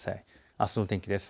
あすの天気です。